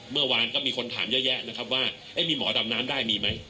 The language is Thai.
เมื่อวานก็มีคนถามเยอะแยะนะครับว่ามีหมอดำน้ำได้มีไหม